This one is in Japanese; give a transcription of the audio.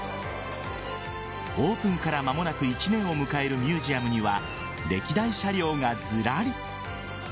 オープンから間もなく１年を迎えるミュージアムには歴代車両がずらり。